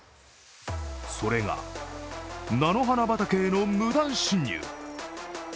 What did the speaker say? それが菜の花畑への無断侵入。